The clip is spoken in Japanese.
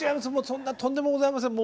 そんなとんでもございません。